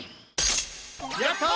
やった！